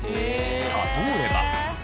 例えば。